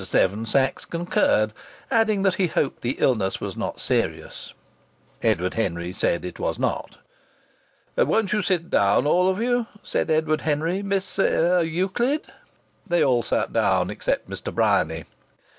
Seven Sachs concurred, adding that he hoped the illness was not serious. Edward Henry said it was not. "Won't you sit down, all of you?" said Edward Henry. "Miss er Euclid " They all sat down except Mr. Bryany.